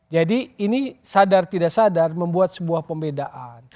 jadi ini sadar tidak sadar membuat sebuah pembedaan